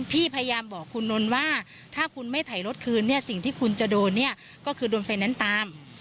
พี่พยายามบอกคุณน้นว่าถ้าคุณไม่ไถรถคืนสิ่งที่คุณจะโดนก็คือโดนเฟรนด์นั้นตาม